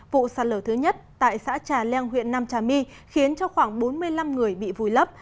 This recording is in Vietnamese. vụ sạt lở thứ nhất tại xã trà leng huyện nam trà my khiến cho khoảng bốn mươi năm người bị vùi lấp